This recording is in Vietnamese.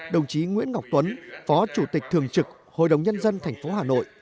đồng chí nguyễn ngọc tuấn phó chủ tịch thường trực hội đồng nhân dân thành phố hà nội